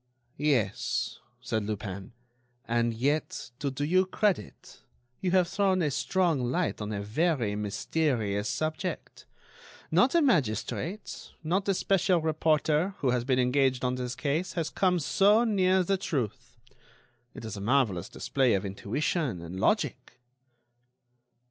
"Yes," said Lupin, "and, yet, to do you credit, you have thrown a strong light on a very mysterious subject. Not a magistrate, not a special reporter, who has been engaged on this case, has come so near the truth. It is a marvellous display of intuition and logic."